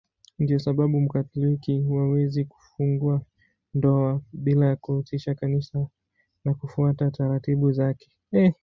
Ndiyo sababu Mkatoliki hawezi kufunga ndoa bila ya kuhusisha Kanisa na kufuata taratibu zake.